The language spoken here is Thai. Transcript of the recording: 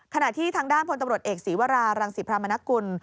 ขณะที่ทางด้านพลตำรวจเอกศีวรารังศิพรามนกุล